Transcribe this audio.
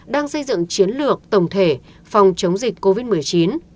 đang xây dựng chiến lược tổng thể phòng chống dịch covid một mươi chín